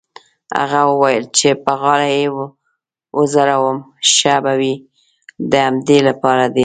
هغه وویل: چې په غاړه يې وځړوې ښه به وي، د همدې لپاره دی.